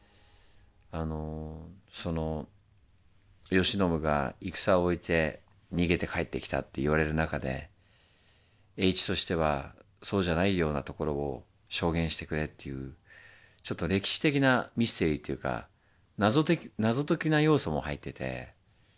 あのその慶喜が戦を終えて逃げて帰ってきたって言われる中で栄一としてはそうじゃないようなところを証言してくれっていうちょっと歴史的なミステリーっていうか謎解きな要素も入ってて。